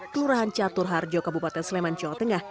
kelurahan catur harjo kabupaten sleman jawa tengah